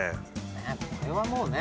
これはもうね。